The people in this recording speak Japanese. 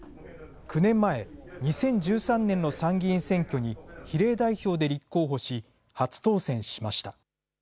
９年前、２０１３年の参議院選挙に比例代表で立候補し、初当選しました。